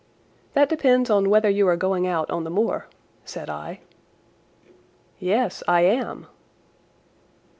"That depends on whether you are going on the moor," said I. "Yes, I am."